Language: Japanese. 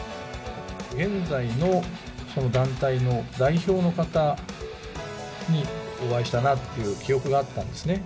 現在のその団体の代表の方にお会いしたなという記憶があった